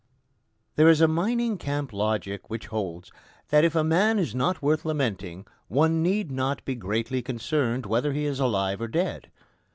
There is a mining camp logic which holds that if a man is not worth lamenting, one need not be greatly concerned whether he is alive or dead.